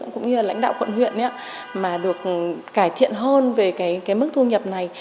cũng như là lãnh đạo quận huyện mà được cải thiện hơn về cái mức thu nhập này